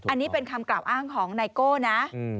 อันนี้เป็นคำกล่าวอ้างของไนโก้นะ